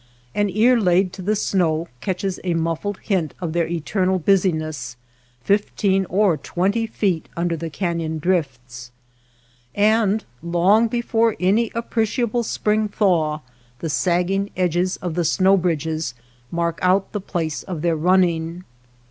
An ear laid to the snow catches a muffled hint of their eternal busyness fifteen or twenty feet under the caiion drifts, and long before any appreciable spring thaw, the sagging edges of the snow bridges mark out the place of their running.